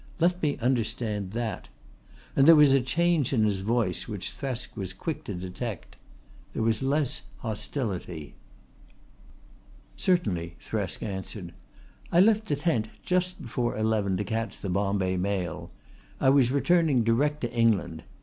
"Let me understand that!" and there was a change in his voice which Thresk was quick to detect. There was less hostility. "Certainly," Thresk answered. "I left the tent just before eleven to catch the Bombay mail. I was returning direct to England.